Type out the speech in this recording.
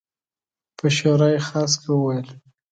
په شورای خاص کې وویل.